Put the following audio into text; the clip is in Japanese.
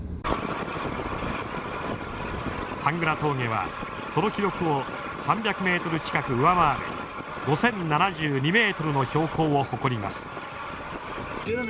峠はその記録を３００ｍ近く上回る５，０７２ｍの標高を誇ります。